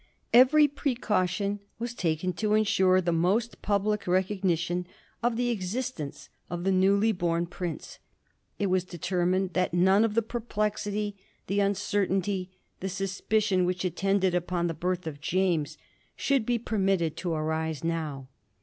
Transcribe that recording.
Every precaution was taken to insure the most public recognition of the existence of the newly born prince. It was determined that none of the perplexity, the uncertainty, the suspicion, which attended upon the birth of James, should be permitted to arise now.